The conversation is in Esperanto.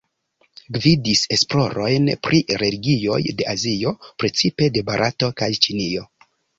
Gvidis esplorojn pri religioj de Azio, precipe de Barato kaj Ĉinio.